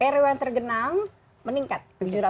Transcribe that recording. rw yang tergenang meningkat tujuh ratus dua